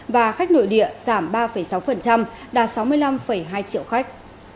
và khách nội địa giảm ba sáu đạt sáu mươi năm hai triệu khách